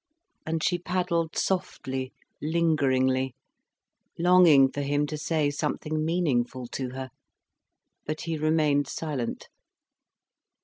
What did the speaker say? And she paddled softly, lingeringly, longing for him to say something meaningful to her. But he remained silent.